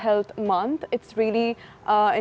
sangat penting untuk berasa yakin